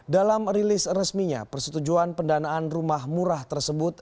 dalam rilis resminya persetujuan pendanaan rumah murah tersebut